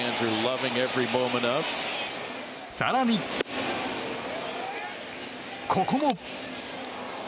更に、ここも。